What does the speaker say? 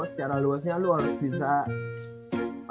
secara luasnya lu harus bisa